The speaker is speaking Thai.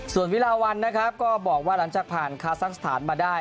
ส่วนวิลาวันนะครับก็บอกว่าหลังจากผ่านคาซักสถานมาได้